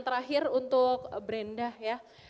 terakhir untuk brenda ya